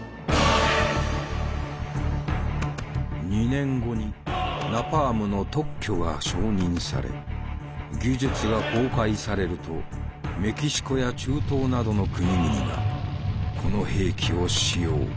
２年後にナパームの特許が承認され技術が公開されるとメキシコや中東などの国々がこの兵器を使用。